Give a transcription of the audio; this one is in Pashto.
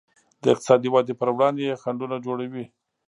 د اقتصادي ودې پر وړاندې یې خنډونه جوړوي.